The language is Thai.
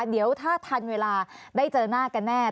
เดี๋ยวถ้าทันเวลาได้เจอหน้ากันแน่